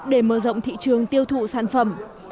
để mở rộng thị trường tiêu thụ sản phẩm